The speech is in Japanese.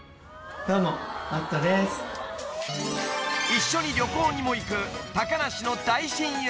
［一緒に旅行にも行く高梨の大親友］